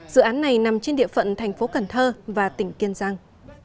dự án này nằm trên địa phận thành phố cần thơ và tỉnh kiên giang